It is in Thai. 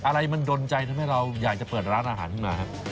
อะไรมันดนใจทำให้เราอยากจะเปิดร้านอาหารขึ้นมาครับ